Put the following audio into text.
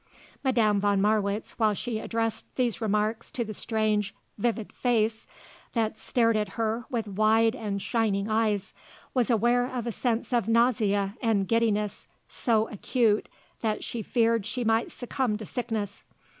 Madame von Marwitz, while she addressed these remarks to the strange, vivid face that stared at her with wide and shining eyes, was aware of a sense of nausea and giddiness so acute that she feared she might succumb to sickness.